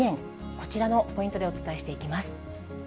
こちらのポイントでお伝えしていきます。